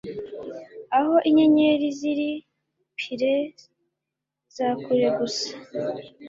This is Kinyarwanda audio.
Aho inyenyeri ziri pyres za kure gusa